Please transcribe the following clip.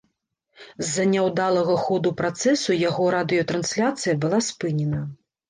З-за няўдалага ходу працэсу яго радыётрансляцыя была спынена.